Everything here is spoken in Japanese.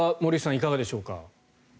いかがでしょうか。